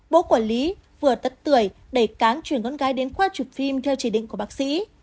bố của lý vừa tất tuổi đẩy cáng chuyển con gái đến khoa chụp phim theo chỉ định của bác sĩ